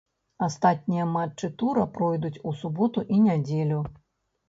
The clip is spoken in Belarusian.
Астатнія матчы тура пройдуць у суботу і нядзелю.